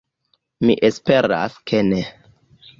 Mi esperas, ke ne.